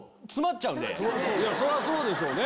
そりゃそうでしょうね。